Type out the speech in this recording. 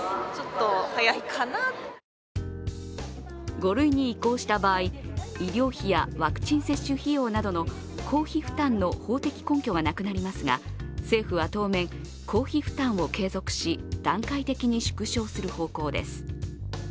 ５類に移行した場合、医療費やワクチン接種費用などの公費負担の法的根拠がなくなりますが、政府は当面、公費負担を継続し段階的に縮小する方向です。